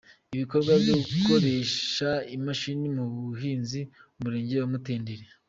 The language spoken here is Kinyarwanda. Ibikorwa byo gukoresha imashini mu buhinzi mu murenge wa Mutenderi .